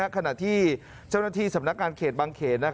ขณะที่เจ้าหน้าที่สำนักงานเขตบางเขน